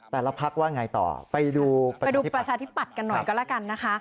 แต่ละพักว่าไงต่อไปประชาธิปัตย์กันหน่อยก็แล้วกันนะคะ